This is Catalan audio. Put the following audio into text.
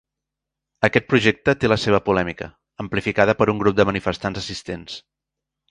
Aquest projecte té la seva polèmica, amplificada per un grup de manifestants assistents.